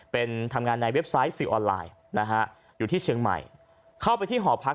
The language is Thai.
เป็นทำงานในเว็บไซต์ซิลออนไลน์นะฮะอยู่ที่เชียงใหม่เข้าไปที่หอพัก